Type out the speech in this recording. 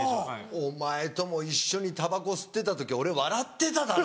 お前とも一緒にたばこ吸ってた時俺笑ってただろ！